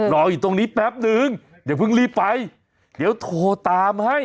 รออยู่ตรงนี้แป๊บนึงอย่าเพิ่งรีบไปเดี๋ยวโทรตามให้